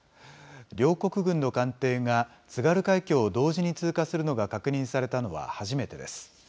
両国軍の艦艇が、津軽海峡を同時に通過するのが確認されたのは初めてです。